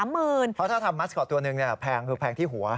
เพราะถ้าทำมัสคอตตัวหนึ่งแพงคือแพงที่หัว